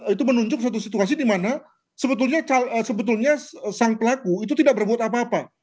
itu menunjuk satu situasi di mana sebetulnya sang pelaku itu tidak berbuat apa apa